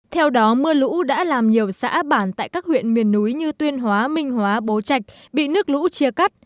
theo đó mưa lũ đã làm nhiều xã bản tại các huyện miền núi như tuyên hóa minh hóa bố trạch bị nước lũ chia cắt